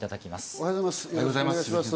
おはようございます。